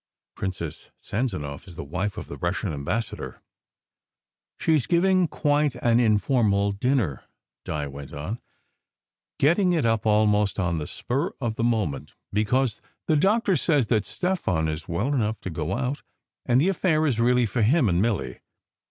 (Princess Sanzanow is the wife of the Russian ambas sador.) "She s giving quite an informal dinner," Di went on, "getting it up almost on the spur of the moment, be cause the doctor says that Stefan is well enough to go out, and the affair is really for him and Milly.